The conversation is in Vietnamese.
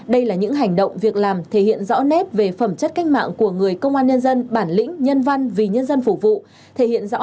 đây là những hành động việc làm thể hiện rõ nét về phẩm chất cách mạng của người công an nhân dân